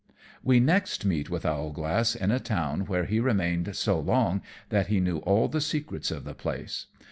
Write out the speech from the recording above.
_ We next meet with Owlglass in a town where he remained so long that he knew all the secrets of the place.